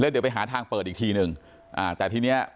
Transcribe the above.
เดี๋ยวไปหาทางเปิดอีกทีหนึ่งอ่าแต่ทีเนี้ย